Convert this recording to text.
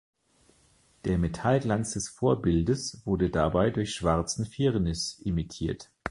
Der Metallglanz des Vorbildes wurde dabei durch schwarzen Firnis imitiert.